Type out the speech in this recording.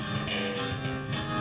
terima kasih chandra